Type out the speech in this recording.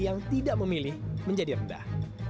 yang tidak memilih menjadi rendah